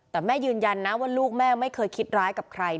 แต่แม่ยืนยันนะว่าลูกแม่ไม่เคยคิดร้ายกับใคร